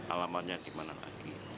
alamannya di mana lagi